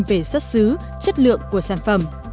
về xuất xứ chất lượng của sản phẩm